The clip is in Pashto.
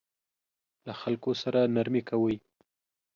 له خلکو سره نرمي کوئ